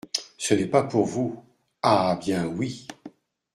Ce n’est pas pour vous, ah bien, oui !